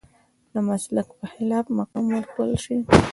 د مسلک په خلاف مقام ورکړل شي.